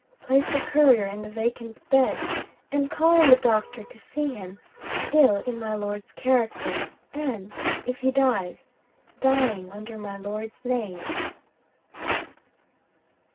Place the Courier in the vacant bed, and call in the doctor to see him ill, in my Lord's character, and (if he dies) dying under my Lord's name!'